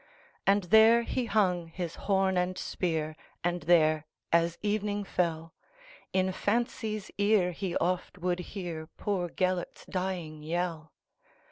And there he hung his horn and spear, And there, as evening fell, In fancy's ear he oft would hearPoor Gêlert's dying yell.